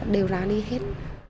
đều ra đi hết